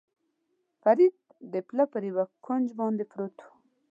فرید د پله پر یوه کونج باندې پروت و.